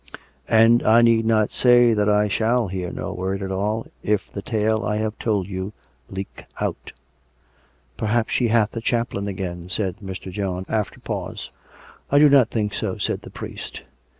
" And I need not say that I shall hear no word at all, if the tale I have told you leak out." " Perhaps she hath a chaplain again," said Mr. John, after pause. " I do not think so," said the priest.